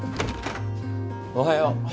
おはよう。